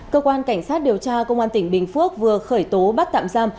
cơ quan cảnh sát điều tra công an tỉnh bình phước vừa khởi tố bắt tạm giam